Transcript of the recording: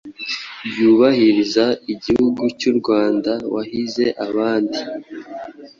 yubahiriza igihugu cy,urwanda wahize abandi